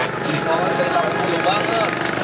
kamu harus jalan jauh banget